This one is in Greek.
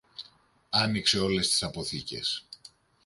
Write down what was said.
άνοιξε όλες τις αποθήκες